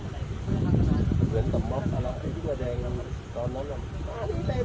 สุดท้ายเมื่อเวลาสุดท้ายเมื่อเวลาสุดท้ายเมื่อเวลาสุดท้าย